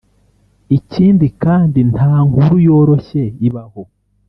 Ikindi kandi nta nkuru yoroshye ibaho